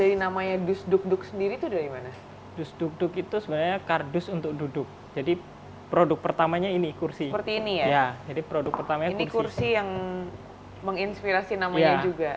ini kursi yang menginspirasi namanya juga